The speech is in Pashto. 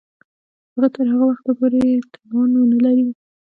هغه تر هغه وخته پوري توان ونه لري.